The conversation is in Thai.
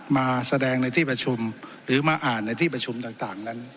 มาแสดงในที่ประชุมหรือมาอ่านในที่ประชุมต่างนั้น